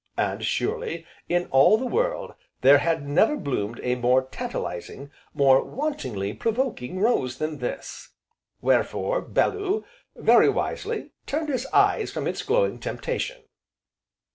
And surely, in all the world, there had never bloomed a more tantalizing, more wantonly provoking rose than this! Wherefore Bellew, very wisely, turned his eyes from its glowing temptation.